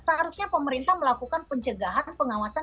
seharusnya pemerintah melakukan pencegahan pengawasan